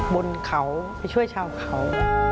บนเขาไปช่วยชาวเขา